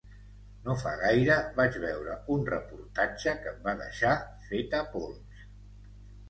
No fa gaire vaig veure un reportatge que em va deixar feta pols.